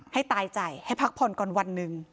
ให้ตายใจให้พักผ่อนก่อนวันหนึ่ง